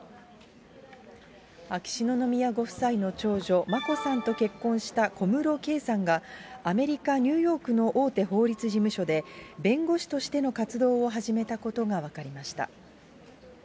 秋篠宮ご夫妻の長女、眞子さんと結婚した小室圭さんが、アメリカ・ニューヨークの大手法律事務所で、弁護士としての活動を始めたことが分かりました。